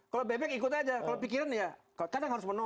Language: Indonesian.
kalau bebek ikut aja kalau pikiran ya kadang harus menolak harus ada ikut gitu